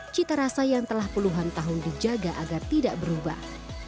cita rasa yang telah puluhan tahun dijaga agar tidak berubah